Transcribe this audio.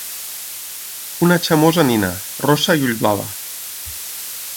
Una xamosa nina, rossa i ullblava.